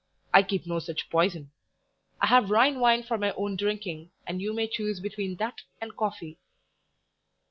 I keep no such poison. I have Rhein wein for my own drinking, and you may choose between that and coffee."